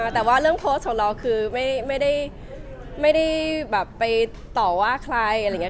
แต่ว่าเรื่องโพสต์ของเราคือไม่ได้แบบไปต่อว่าใครอะไรอย่างนี้